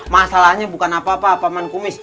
masalahnya bukan apa apa pak man kumis